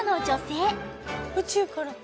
宇宙から。